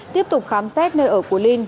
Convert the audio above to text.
tiếp tục khám xét nơi ở của linh